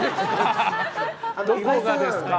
どこがですか？